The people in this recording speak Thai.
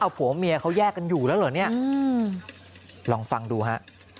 ผัวเมียเขาแยกกันอยู่แล้วเหรอเนี่ยลองฟังดูฮะ